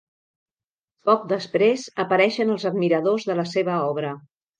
Poc després apareixen els admiradors de la seva obra.